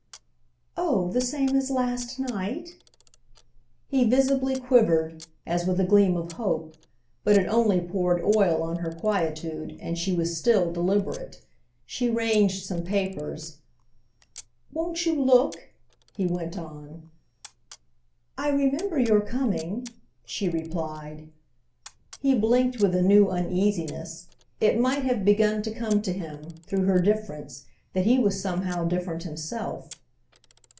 "Oh the same as last night?" He visibly quivered, as with a gleam of hope; but it only poured oil on her quietude, and she was still deliberate. She ranged some papers. "Won't you look?" he went on. "I remember your coming," she replied. He blinked with a new uneasiness; it might have begun to come to him, through her difference, that he was somehow different himself.